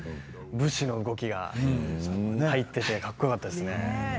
武士の動きが入っていてかっこよかったですね。